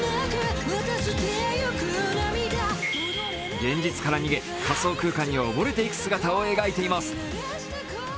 現実から逃げ、仮想空間に溺れていく姿を描いています。